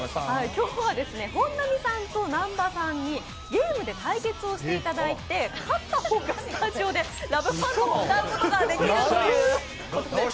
今日は本並さんと南波さんにゲームで対決をしていただいて勝った方がスタジオで「ＬＯＶＥＰＨＡＮＴＯＭ」歌うことができるという。